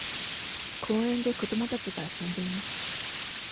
公園で子供たちが遊んでいます。